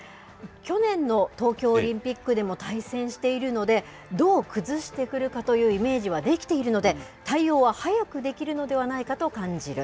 去年の東京オリンピックでも対戦しているので、どう崩してくるかというイメージはできているので、対応は早くできるのではないかと感じる。